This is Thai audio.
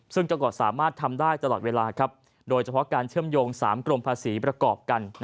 ซึ่งจังหวัดสามารถทำได้ตลอดเวลาโดยเฉพาะการเชื่อมโยง๓กรมภาษีประกอบกัน